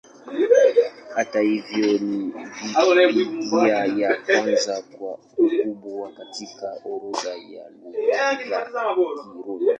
Hata hivyo, ni Wikipedia ya kwanza kwa ukubwa katika orodha ya Lugha za Kirumi.